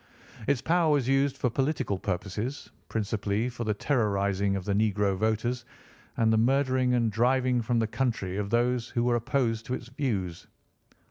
Its power was used for political purposes, principally for the terrorising of the negro voters and the murdering and driving from the country of those who were opposed to its views.